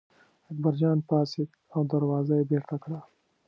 اکبرجان پاڅېد او دروازه یې بېرته کړه.